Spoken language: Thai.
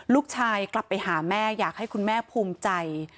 กลับไปหาแม่อยากให้คุณแม่ภูมิใจ